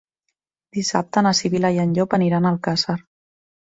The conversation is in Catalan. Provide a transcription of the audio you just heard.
Dissabte na Sibil·la i en Llop aniran a Alcàsser.